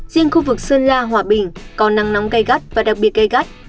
riêng khu vực sơn la hòa bình có nắng nóng gãy gắt và đặc biệt gãy gắt